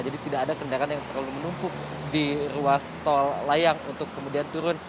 jadi tidak ada kendaraan yang terlalu menumpuk di ruas tol layang untuk kemudian turun